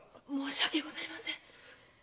申し訳ございません！